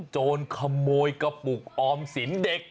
โจรขโมยกระปุกออมสินเด็ก